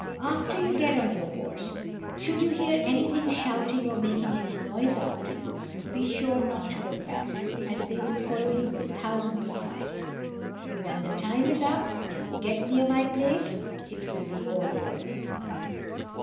After you get on your horse, should you hear anything shouting or making any noise after you, be sure not to look back, as they will follow you for thousands of miles; but when the time is up and you get near my place, it will be all over.